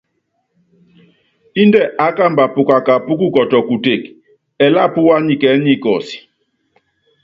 Índɛ aá kamba pukaká púkukɔtɔ kuteke, ɛɛli apúwá nikɛɛ́ nikɔs.